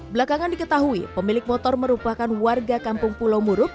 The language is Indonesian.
belakangan diketahui pemilik motor merupakan warga kampung pulau muruk